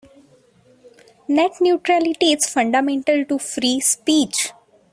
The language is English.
Net neutrality is fundamental to free speech.